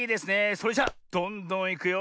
それじゃどんどんいくよ。